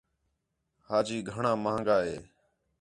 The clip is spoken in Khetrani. حاجی گھݨاں ماہنگا ہِے